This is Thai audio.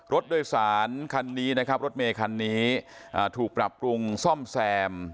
รถโดยสารคันนี้นะครับรถเมคันนี้ถูกปรับปรุงซ่อมแซม